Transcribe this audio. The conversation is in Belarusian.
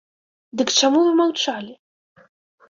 Дык чаму вы маўчалі?